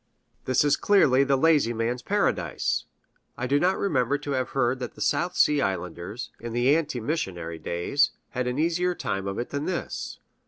This is clearly the lazy man's Paradise. I do not remember to have heard that the South Sea Islanders, in the ante missionary days, had an easier time of it than this.